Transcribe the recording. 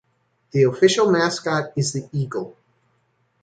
The official mascot is the eagle.